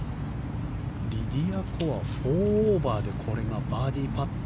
リディア・コは４オーバーでバーディーパット。